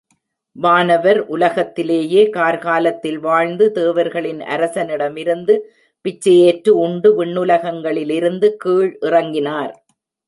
வானவர் உலகத்திலேயே கார்காலத்தில் வாழ்ந்து தேவர்களின் அரசனிடமிருந்து பிச்சையேற்று உண்டு விண்ணுலகங்களிலிருந்து கீழ் இறங்கினார்.